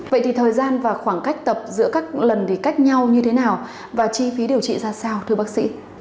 vậy thì thời gian và khoảng cách tập giữa các lần thì cách nhau như thế nào và chi phí điều trị ra sao thưa bác sĩ